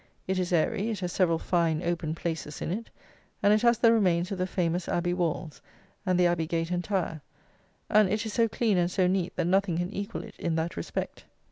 It is airy, it has several fine open places in it, and it has the remains of the famous abbey walls and the abbey gate entire; and it is so clean and so neat that nothing can equal it in that respect.